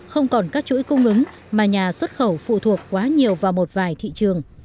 không còn các chuỗi cung ứng mà nhà xuất khẩu phụ thuộc quá nhiều vào một vài thị trường